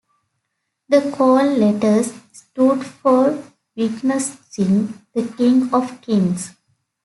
The call letters stood for Witnessing The King of Kings.